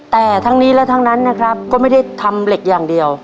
แต่ทั้งนี้และทั้งนั้นนะครับก็ไม่ได้ทำเหล็กอย่างเดียว